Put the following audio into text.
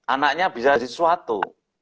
anaknya bisa jadi sesuatu